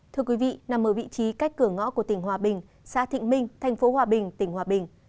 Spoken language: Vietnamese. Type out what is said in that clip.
thưa quý vị nằm ở vị trí cách cửa ngõ của tỉnh hòa bình xã thịnh minh thành phố hòa bình tỉnh hòa bình